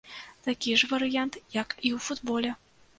Такі ж варыянт, як і ў футболе.